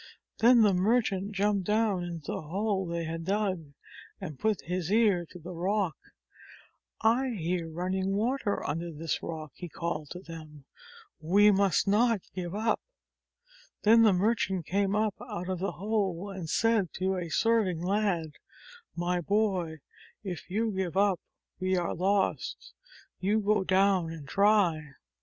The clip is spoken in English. Then the merchant jumped down into the hole they had dug, and put his ear to the rock. "I hear water running under this rock," he called to them. "We must not give up I" Then the merchant came up out of the hole and said to a serving lad: "My boy, if you give up we are lost ! You go down and try